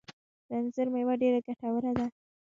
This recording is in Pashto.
د انځر مېوه ډیره ګټوره ده